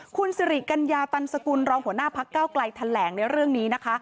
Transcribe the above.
คุณสิริกัญญาตันสกุลรองหัวหน้าพักเก้าไกลแถลงในเรื่องนี้นะคะ